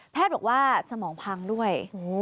แพทย์บอกว่าสมองพังด้วย